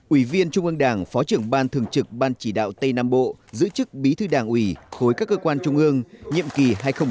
ủy viên trung ương đảng phó trưởng ban thường trực ban chỉ đạo tây nam bộ giữ chức bí thư đảng ủy khối các cơ quan trung ương nhiệm kỳ hai nghìn một mươi năm hai nghìn hai mươi